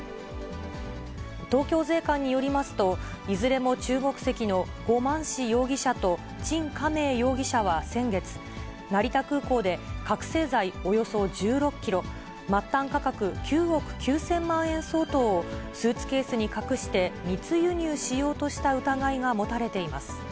東京税関によりますと、いずれも中国籍の呉曼芝容疑者と陳家明容疑者は先月、成田空港で覚醒剤およそ１６キロ、末端価格９億９０００万円相当をスーツケースに隠して、密輸入しようとした疑いが持たれています。